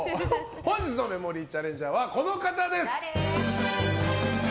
本日のメモリーチャレンジャーはこの方です。